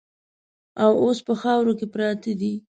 او اوس په خاورو کې پراته دي.